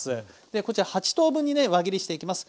でこちら８等分にね輪切りしていきます。